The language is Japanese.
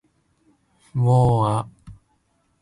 を―あ